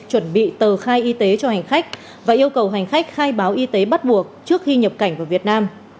chuẩn bị tờ khai y tế cho hành khách và yêu cầu hành khách khai báo y tế bắt buộc trước khi nhập cảnh vào việt nam